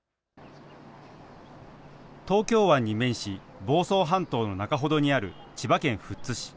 東京湾に面し、房総半島の中ほどにある千葉県富津市。